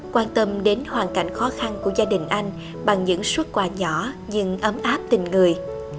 quan tâm đến hoàn cảnh khó khăn của gia đình anh bằng những xuất quà nhỏ nhưng ấm áp tình người